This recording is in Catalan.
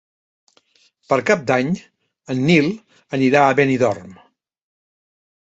Per Cap d'Any en Nil anirà a Benidorm.